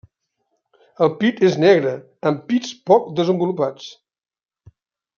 El pit és negre amb pits poc desenvolupats.